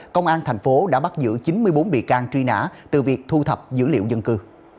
công an thành phố đã bắt giữ chín mươi bốn bị can truy nã từ việc thu thập dữ liệu dân cư